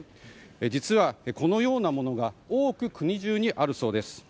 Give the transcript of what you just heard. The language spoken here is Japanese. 実は、このようなものが多く国中にあるそうです。